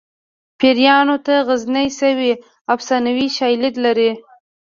پیریانو ته غزني څه وي افسانوي شالید لري